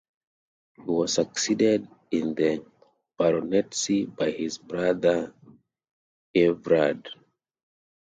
He was succeeded in the baronetcy by his brother Everard.